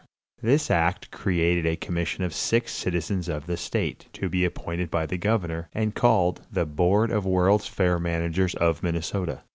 This act created a commission of six citizens of the state, to be appointed by the governor, and called "The Board of World's Fair Managers of Minnesota."